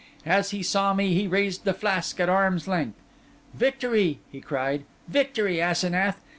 As he saw me he raised the flask at arm's length. 'Victory!' he cried. 'Victory, Asenath!